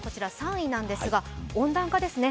３位なんですが、温暖化ですね